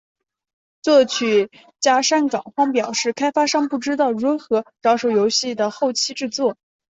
作曲家山冈晃表示开发商不知道如何着手游戏的后期制作。